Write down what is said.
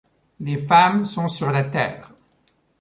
Les femmes sont sur la terre »